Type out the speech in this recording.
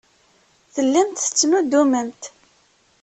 Tellamt tettnuddumemt.